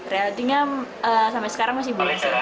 realitanya sampai sekarang masih boleh